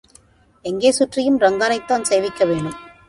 எங்கே சுற்றியும் ரங்கனைத்தான் சேவிக்க வேணும்.